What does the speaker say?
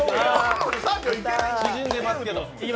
縮んでますけど。